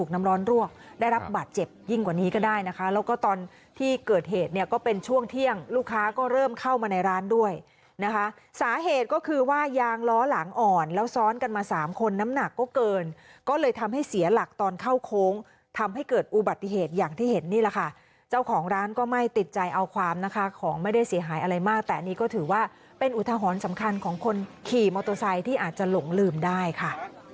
นะคะสาเหตุก็คือว่ายางล้อหลังอ่อนแล้วซ้อนกันมา๓คนน้ำหนักก็เกินก็เลยทำให้เสียหลักตอนเข้าโค้งทำให้เกิดอุบัติเหตุอย่างที่เห็นนี่แหละค่ะเจ้าของร้านก็ไม่ติดใจเอาความนะคะของไม่ได้เสียหายอะไรมากแต่นี่ก็ถือว่าเป็นอุทหรณ์สำคัญของคนขี่มอเตอร์ไซค์ที่อาจจะหลงลืมได้ค่ะ